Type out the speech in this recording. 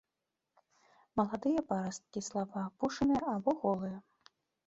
Маладыя парасткі слаба апушаныя або голыя.